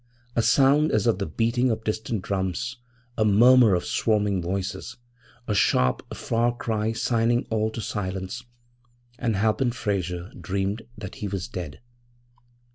A sound as of the beating of distant drums a murmur of swarming voices, a sharp, far cry signing all to silence, and Halpin Frayser dreamed that he was dead.